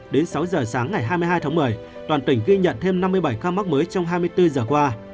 đến sáu giờ sáng ngày hai mươi hai tháng một mươi toàn tỉnh ghi nhận thêm năm mươi bảy ca mắc mới trong hai mươi bốn giờ qua